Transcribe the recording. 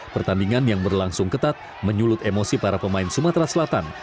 pertandingan yang berlangsung ketat menyulut emosi para pemain sumatera selatan